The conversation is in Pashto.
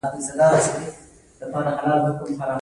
هغه د لومړي ځل لپاره مهم شواهد وړاندې کړل.